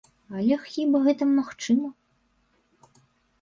Але хіба гэта магчыма?